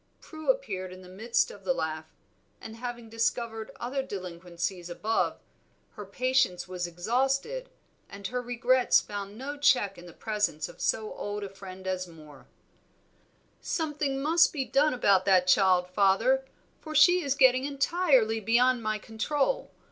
Prue appeared in the midst of the laugh, and having discovered other delinquencies above, her patience was exhausted, and her regrets found no check in the presence of so old a friend as Moor. "Something must be done about that child, father, for she is getting entirely beyond my control.